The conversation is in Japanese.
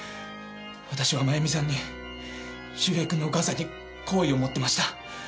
私は真弓さんに周平君のお母さんに好意を持ってました。